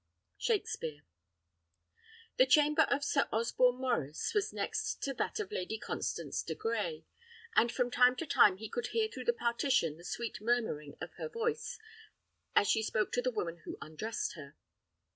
Shakspere. The chamber of Sir Osborne Maurice was next to that of Lady Constance de Grey, and from time to time he could hear through the partition the sweet murmuring of her voice, as she spoke to the woman who undressed her.